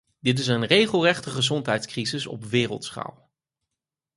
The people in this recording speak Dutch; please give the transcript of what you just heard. Dit is een regelrechte volksgezondheidscrisis op wereldschaal.